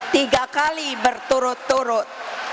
tiga kali berturut turut